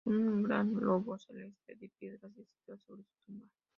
Un gran globo celeste de piedra se sitúa sobre su tumba.